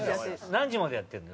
何時までやってるの？